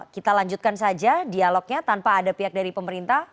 kita lanjutkan saja dialognya tanpa ada pihak dari pemerintah